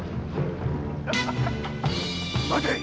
待て！